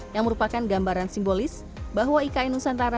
yang merupakan gambaran simbolis bahwa ikn nusantara